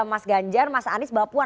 mas ganjar mas anies mbak puan